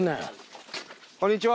こんにちは。